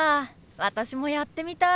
私もやってみたい。